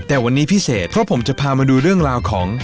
แต่วันนี้พิเศษเพราะผมจะพามาดูเรื่องราวของ